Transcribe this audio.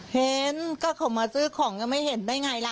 เห็นก็เขามาซื้อของยังไม่เห็นได้อย่างไรล่ะ